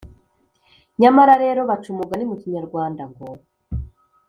nyama rero baca umugani mu kinyarwanda ngo: